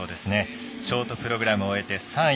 ショートプログラムを終えて３位。